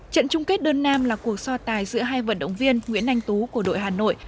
trận chung kết đơn nam là cuộc so tài giữa hai vận động viên nguyễn anh tú của đội hà nội